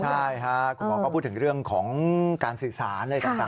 ใช่ค่ะคุณหมอก็พูดถึงเรื่องของการสื่อสารอะไรต่าง